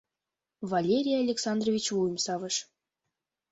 — Валерий Александрович вуйым савыш.